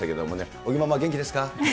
尾木ママ、元気ですか？